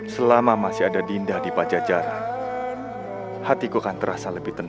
selama masih ada dinda di pajajaran hatiku kan terasa lebih tenang